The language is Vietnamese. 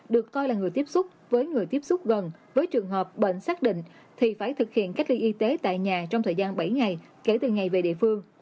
được coi là người tiếp xúc với người tiếp xúc gần với trường hợp bệnh xác định thì phải thực hiện cách ly y tế tại nhà trong thời gian bảy ngày kể từ ngày về địa phương